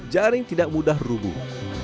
jaring tidak mudah rubuh